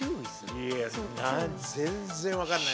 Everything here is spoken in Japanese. いや全然分かんない。